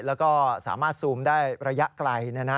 แล้วก็สามารถซูมได้ระยะไกล